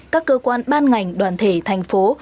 các cơ quan ban ngành đoàn thể thành phố